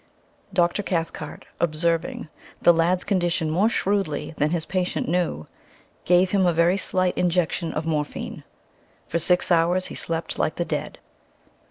Dr. Cathcart observing the lad's condition more shrewdly than his patient knew, gave him a very slight injection of morphine. For six hours he slept like the dead.